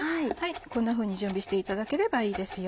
こんなふうに準備していただければいいですよ。